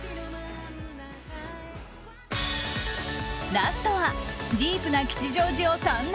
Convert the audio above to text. ラストはディープな吉祥寺を堪能。